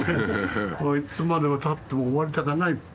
いつまでも歌って終わりたくはない。